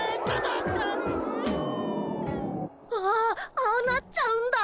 ああああなっちゃうんだ。